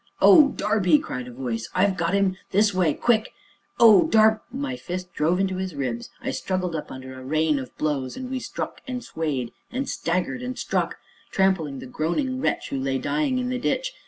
"Oh, Darby!" cried a voice, "I've got him this way quick oh, Darb " My fist drove into his ribs; I struggled up under a rain of blows, and we struck and swayed and staggered and struck trampling the groaning wretch who lay dying in the ditch.